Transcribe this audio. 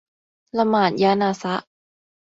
ละหมาดญะนาซะฮ์